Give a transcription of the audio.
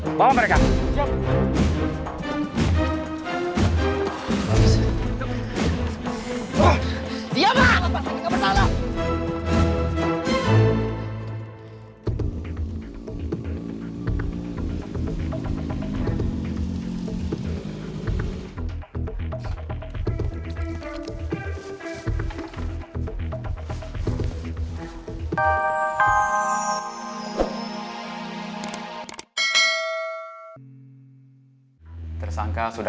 sampai jumpa di video selanjutnya